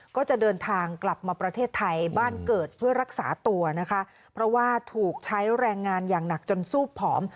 ก็จะเดินทางกลับมาประเทศไทยบ้านเกิดเพื่อรักษาตัวนะคะเพราะว่าถูกใช้แรงงานอย่างหนักจนสู้ผอม